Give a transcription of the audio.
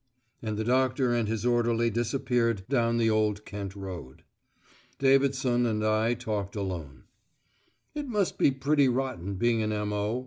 And the doctor and his orderly disappeared down the Old Kent Road. Davidson and I talked alone. "It must be pretty rotten being an M.O.